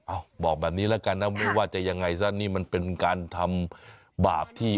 บอกแบบนี้แล้วกันนะไม่ว่าจะยังไงซะนี่มันเป็นการทำบาปที่